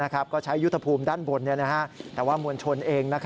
ก็ใช้ยุทธภูมิด้านบนแต่ว่ามวลชนเอง